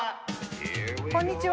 こんにちは。